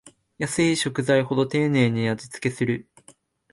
安い食材ほど丁寧に味つけする